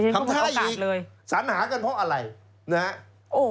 คำถามอีกสัญหากันเพราะอะไรนะครับ